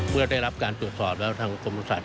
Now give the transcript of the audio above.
เมื่อได้รับการตรวจสอบแล้วทางกรมศาสต